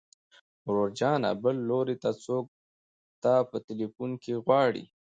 ورور جانه بل لوري ته څوک تا په ټليفون کې غواړي.